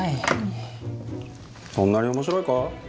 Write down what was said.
そんなに面白いか？